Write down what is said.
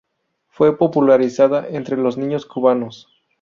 Fue popularizada entre los niños cubanos.